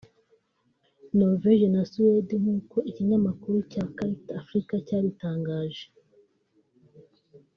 Norvège na Suède nk’uko ikinyamakuru cya Quartz Africa cyabitangaje